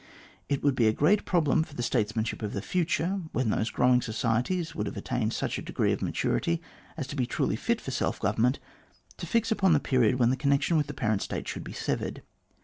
It would be a great problem for the statesmanship of the future, when those growing societies would have attained to such a degree of maturity as to be truly fit for self government, to fix upon the period when the connection with the parent State should be severed.